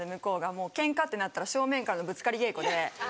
もうケンカってなったら正面からのぶつかり稽古で。